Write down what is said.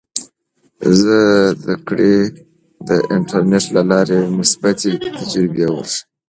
زده کړې ته د انټرنیټ له لارې مثبتې تجربې ورښیي.